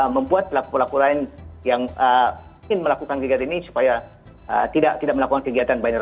membuat pelaku pelaku lain yang melakukan kegiatan ini supaya tidak tidak melakukan kegiatan binary